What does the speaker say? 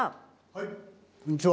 はいこんにちは。